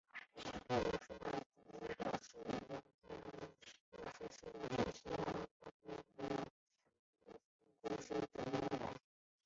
另一则说法则表示桃太郎的故事是由真实人物吉备津彦命讨伐恶鬼温罗的故事转变而来。